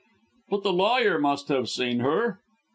"But the lawyer must have seen her?"